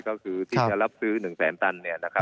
ก็คือที่จะรับซื้อ๑แสนตัน